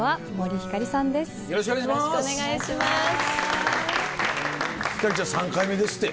星ちゃん３回目ですって。